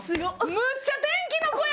むっちゃ『天気の子』や！